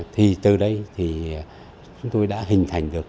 thì từ đây thì chúng tôi đã hình thành được